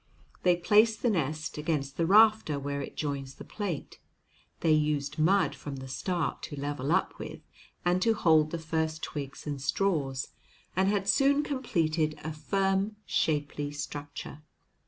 They placed the nest against the rafter where it joins the plate; they used mud from the start to level up with and to hold the first twigs and straws, and had soon completed a firm, shapely structure.